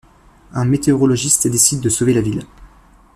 Un météorologiste décide de sauver la ville.